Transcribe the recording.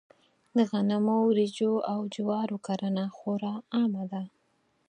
د غنمو، وريجو او جوارو کرنه خورا عامه ده.